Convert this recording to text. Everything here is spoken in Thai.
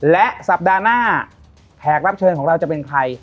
และสัปดาห์หน้าแขกรับเชิญของเราจะเป็นใคร